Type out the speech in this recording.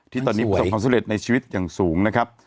ที่ตอนนี้ประสบความสำเร็จในชีวิตอย่างสูงนะครับ